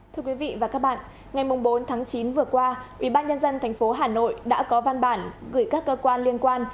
thưa quý vị và các bạn ngày bốn tháng chín vừa qua ubnd tp hà nội đã có văn bản gửi các cơ quan liên quan